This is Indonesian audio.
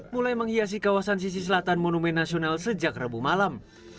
mulai menghiasi kawasan sisi selatan monumen nasional sejak rabu malam